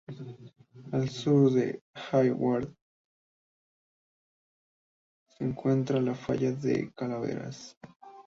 Al sur de Hayward se encuentra la falla de Calaveras.